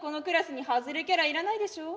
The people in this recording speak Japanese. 外れキャラ要らないでしょう？